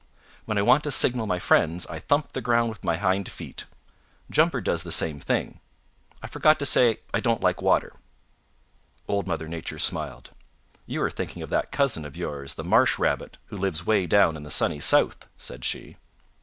When I want to signal my friends I thump the ground with my hind feet. Jumper does the same thing. I forgot to say I don't like water." Old Mother Nature smiled. "You are thinking of that cousin of yours, the Marsh Rabbit who lives way down in the Sunny South," said she.